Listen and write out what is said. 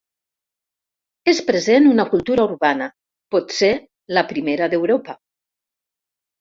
És present una cultura urbana, potser la primera d'Europa.